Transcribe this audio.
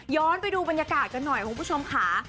ย้อนไปดูบรรยากาศกันหน่อย